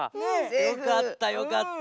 よかったよかった。